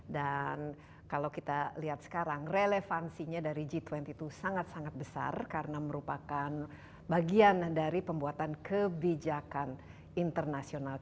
dan kalau kita lihat sekarang relevansinya dari g dua puluh itu sangat sangat besar karena merupakan bagian dari pembuatan kebijakan internasional